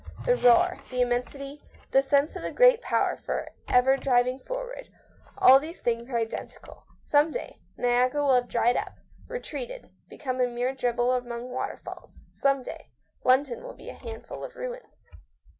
The roar, the immensity, the sense of a great power for ever driving forward; all these things are identical. Some day Niagara will 162 THE STORY OF A MODERN WOMAN. have dried up, retreated, become a mere drib ble among waterfalls. Some day London will be a handful of ruins.